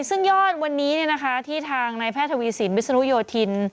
ซึ่งยอดวันนี้ที่ทางนายแพทย์ทวีสินวิศนุโยธิน